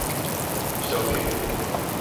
Está ok